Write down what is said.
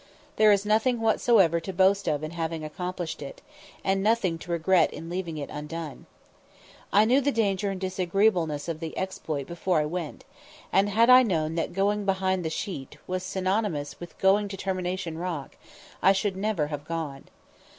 There is nothing whatever to boast of in having accomplished it, and nothing to regret in leaving it undone. I knew the danger and disagreeableness of the exploit before I went, and, had I known that "going behind the sheet" was synonymous with "going to Termination Rock," I should never have gone.